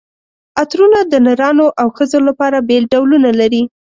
عطرونه د نرانو او ښځو لپاره بېل ډولونه لري.